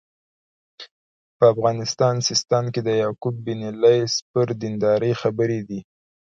په تاریخ سیستان کې د یعقوب بن لیث پر دینداري خبرې دي.